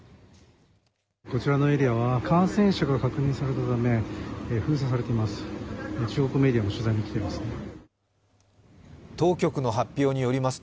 こちらのエリアは感染者が確認されたため、封鎖されています。